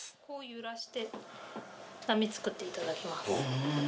揺らして波作っていただきます。